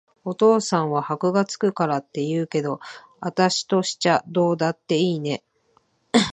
お父さんは箔が付くからって言うけど、あたしとしちゃどうだっていいね。